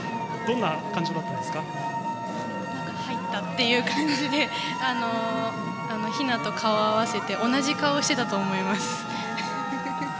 なんか入ったという感じでひなと顔を合わせて同じ顔をしてたと思います。